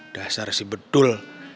dasar si bedul